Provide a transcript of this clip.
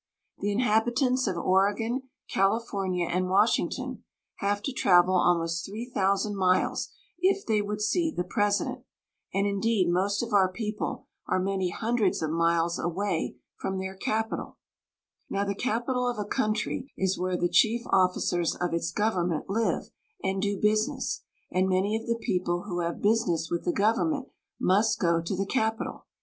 The inhabitants of Oregon, California, and Wash ington have to travel almost three thousand miles if they would see the President, and, indeed, most of our people are many hundreds of miles away from their capital. The Old City of V/asuington. Now the capital of a country is where the chief officers of its government live and do business, and many of the people who have business with the government must go to the capital.